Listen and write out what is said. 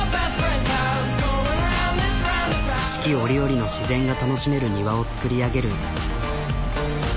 四季折々の自然が楽しめる庭を造り上げる。